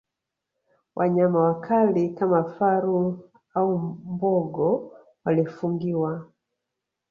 Wanyama wakali kama faru na mbogo walifungiwa